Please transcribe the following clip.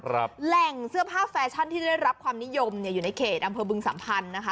แหล่งเสื้อผ้าแฟชั่นที่ได้รับความนิยมเนี่ยอยู่ในเขตอำเภอบึงสัมพันธ์นะคะ